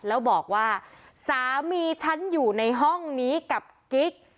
แล้วบอกว่าสามีฉันอยู่ในห้องนี้กับกิ๊ก